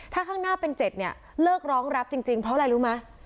ถ้าข้างหน้าเป็น๗เนี่ยเลิกร้องรับจริงเพราะอะไรรู้ไหม